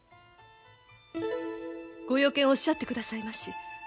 ご用件をおっしゃってくださいまし。